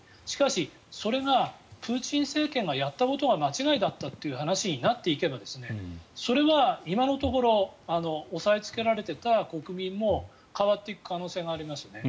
しかし、それがプーチン政権がやったことが間違いだったという話になっていけばそれは、今のところ抑えつけられていた国民も変わっていく可能性があります。